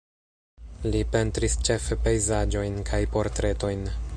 Li pentris ĉefe pejzaĝojn kaj portretojn.